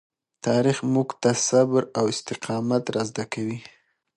تاریخ موږ ته صبر او استقامت را زده کوي.